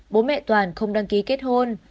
bố mẹ toàn không đăng ký kết hôn